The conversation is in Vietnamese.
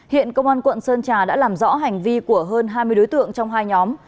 hiện công an quận sơn trà đã làm rõ hành vi của hơn hai mươi đối tượng trong hai nhóm